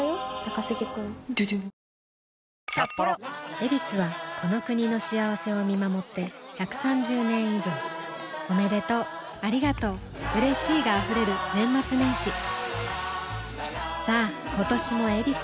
「ヱビス」はこの国の幸せを見守って１３０年以上おめでとうありがとううれしいが溢れる年末年始さあ今年も「ヱビス」で